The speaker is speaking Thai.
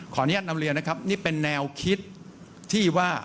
อนุญาตนำเรียนนะครับนี่เป็นแนวคิดที่ว่า